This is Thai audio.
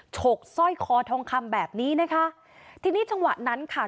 ฉกสร้อยคอทองคำแบบนี้นะคะทีนี้จังหวะนั้นค่ะ